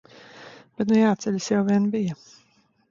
Bet nu jāceļas jau vien bija.